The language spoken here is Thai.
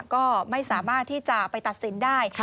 ก็ไม่สามารถที่จะไปตัดสินได้